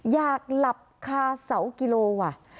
อยากหลับคาเสากิโลว่ะ